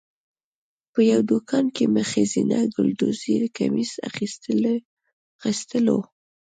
په یوه دوکان کې مې ښځینه ګلدوزي کمیس اخیستلو.